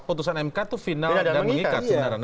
putusan mk itu final dan mengikat sebenarnya